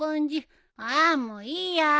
あもういいや。